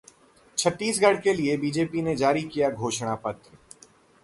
छत्तीसगढ़ के लिए बीजेपी ने जारी किया घोषणा पत्र